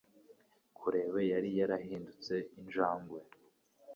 kureba yari yarahindutse injangwe